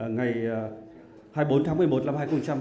ngày hai mươi bốn tháng một mươi một năm hai nghìn một mươi sáu